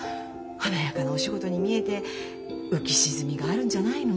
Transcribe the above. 華やかなお仕事に見えて浮き沈みがあるんじゃないの？